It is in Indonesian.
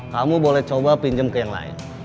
kamu boleh coba pinjam ke yang lain